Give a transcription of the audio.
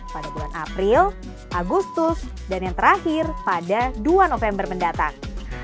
pada bulan april agustus dan yang terakhir pada dua november mendatang